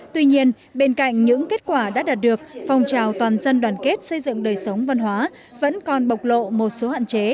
tuy nhiên bên cạnh những kết quả đã đạt được phong trào toàn dân đoàn kết xây dựng đời sống văn hóa vẫn còn bộc lộ một số hạn chế